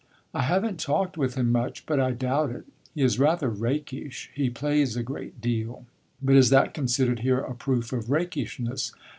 "I have n't talked with him much, but I doubt it. He is rather rakish; he plays a great deal." "But is that considered here a proof of rakishness?"